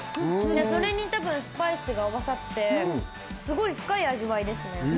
それに、たぶんスパイスが合わさってすごい深い味わいですね。